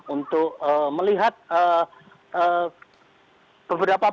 untuk melihat beberapa pulang